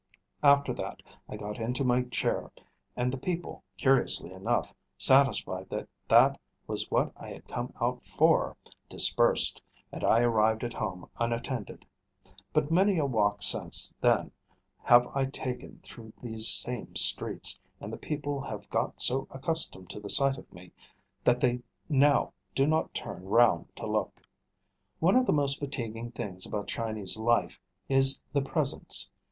After that I got into my chair; and the people, curiously enough, satisfied that that was what I had come out for, dispersed, and I arrived at home unattended. But many a walk since then have I taken through these same streets; and the people have got so accustomed to the sight of me, that they now do not turn round to look. One of the most fatiguing things about Chinese life is the presents.